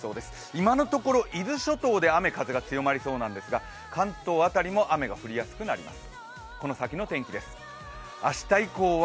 今のところ伊豆諸島で雨風が強まりそうなんですが、関東辺りも雨が降りやすくなります。